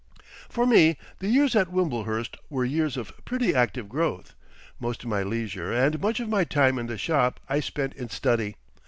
For me the years at Wimblehurst were years of pretty active growth. Most of my leisure and much of my time in the shop I spent in study.